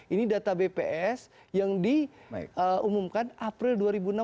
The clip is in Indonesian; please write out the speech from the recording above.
ini data bps yang diumumkan april dua ribu enam belas